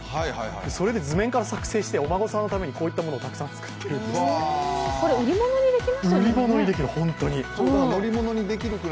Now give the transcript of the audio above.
それで図面から作成してお孫さんのためにこういったものをたくさん作ってるんですって。